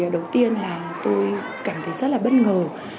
đầu tiên là tôi cảm thấy rất là bất ngờ